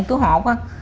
chúi hột á